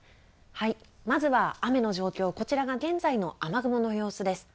まずは雨の状況を、こちらが現在の雨雲の様子です。